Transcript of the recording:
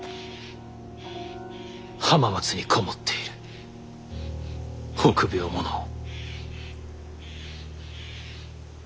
浜松に籠もっている臆病者を。